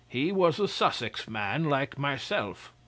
He was a Sussex man like myself.